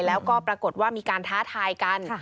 แล้วก็ปรากฏว่ามีการท้าทายกัน